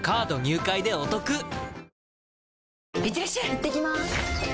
いってきます！